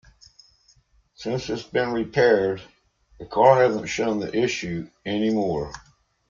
Since it's been repaired, the car hasn't shown the issue any more.